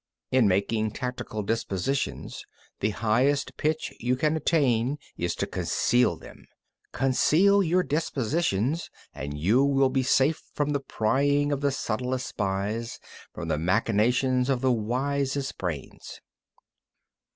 25. In making tactical dispositions, the highest pitch you can attain is to conceal them; conceal your dispositions, and you will be safe from the prying of the subtlest spies, from the machinations of the wisest brains.